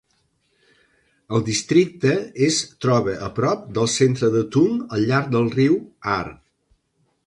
El districte és troba a prop del centre de Thun al llarg del riu Aar.